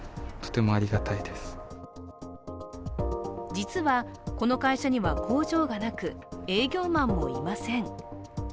実はこの会社には工場がなく、営業マンもいません。